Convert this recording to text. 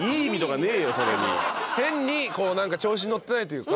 変に調子乗ってないというか。